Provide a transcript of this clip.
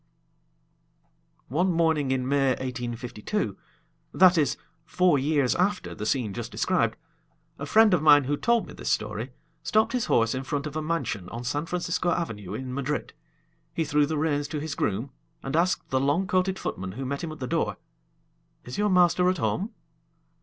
One morning in May, 1852 that is, four years after the scene just described a friend of mine, who told me this story, stopped his horse in front of a mansion on San Francisco Avenue, in Madrid; he threw the reins to his groom, and asked the long coated footman who met him at the door: "Is your master at home?"